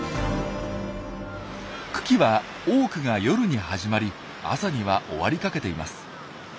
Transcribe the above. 群来は多くが夜に始まり朝には終わりかけています。